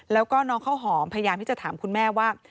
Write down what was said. แล้วก็น้องข้าวหอมพยายามที่จะถามคุณแม่ว่า